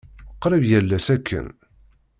Qrib yal ass akken.